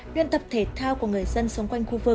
nguyên tập thể thao của người dân xung quanh khu vực